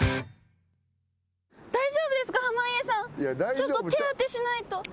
ちょっと手当てしないと。